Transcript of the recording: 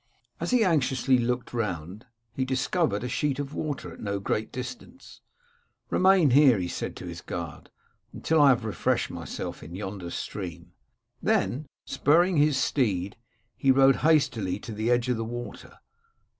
As he anxiously looked round, he discovered a sheet of water at no great distance. * Remain here,' said he to his guard, * until I have refreshed myself in yonder stream.' Then, spurring his steed, he rode hastily to the edge of the water.